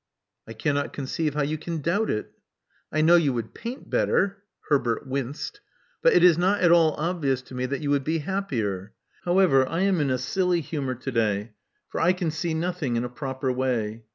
"I cannot conceive how you can doubt it." •*I know you would paint better (Herbert winced), "bat it is not at all obvious to me that you would be iKJpocr. However, I am in a silly humor to day ; for 1 vsa. see nothing in a proper way.